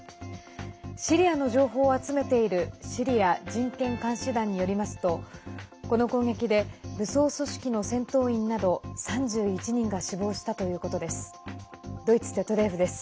シリアの情報を集めているシリア人権監視団によりますとこの攻撃で武装組織の戦闘員など３１人が死亡したということです。